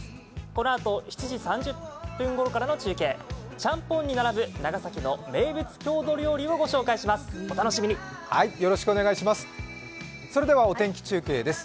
このあと、７時３０分ごろからの中継、チャンポンに並ぶ長崎の名物郷土料理を御紹介します。